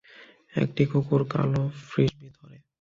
একটি কুকুর কালো ফ্রিসবি ধরে